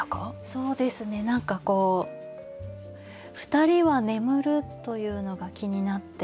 そうですね何かこう「ふたりは眠る」というのが気になって。